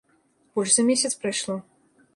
Больш за месяц прайшло.